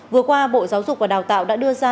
vừa qua bộ giáo dục và đào tạo đã đưa ra